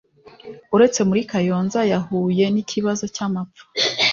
uretse muri Kayonza yahuye n’ikibazo cy’amapfa